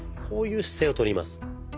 こういう姿勢をとります。